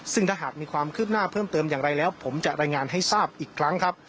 ซึ่งถ้าหากมีความคืบหน้าเพิ่มเติมอย่างไรแล้วผมจะรายงานให้ทราบอีกครั้งครับ